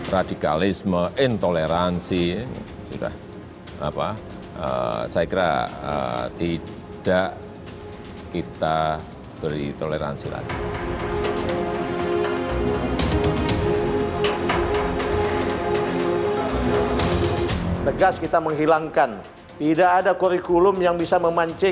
radikalisme intoleransi saya kira tidak kita beri toleransi lagi